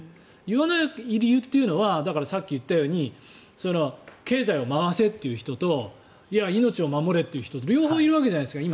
言わない理由というのはさっき言ったように経済を回せという人といや、命を守れという人両方いるわけじゃないですか